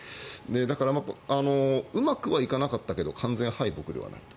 だからうまくはいかなかったけど完全敗北ではないと。